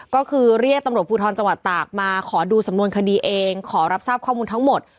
ก็คือเรียกตำรวจภูทรจังหวัดตากมาขอดูสำนวนคดีเองขอรับทราบข้อมูลทั้งหมด